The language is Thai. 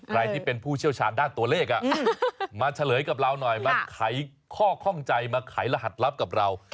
ใครที่เป็นผู้เชี่ยวชาญด้านตัวเลขมาเฉลยกับเราหน่อยมาไขข้อข้องใจมาไขรหัสลับกับเรา